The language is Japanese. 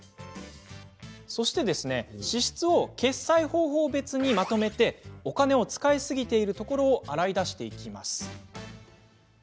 そして支出を決済方法別にまとめお金を使いすぎているところを洗い出していきます。